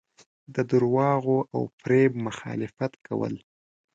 د درواغو او فریب مخالفت کول.